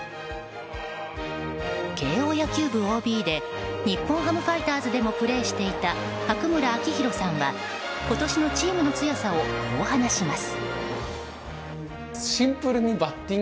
慶應野球部ＯＢで日本ハムファイターズでもプレーしていた白村明弘さんは今年のチームの強さをこう話します。